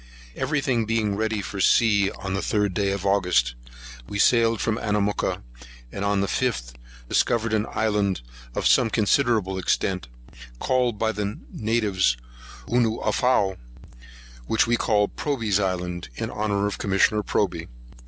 Every thing being ready for sea on the 3d day of August, we sailed from Anamooka; and on the 5th, discovered an island of some considerable extent, called by the natives Onooafow,[138 1] which we called Proby's Island, in honour of Commissioner Proby.